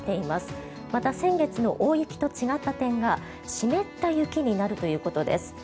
また、先月の大雪と違った点が湿った雪になるということです。